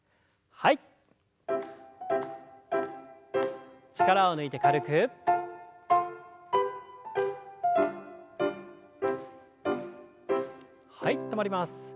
はい止まります。